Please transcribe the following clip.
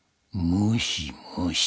☎もしもし。